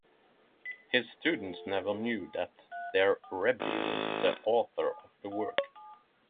His students never knew that their rebbi was the author of the work.